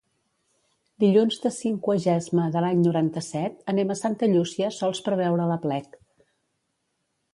Dilluns de Cinquagesma de l'any noranta-set anem a Santa Llúcia sols per veure l'aplec.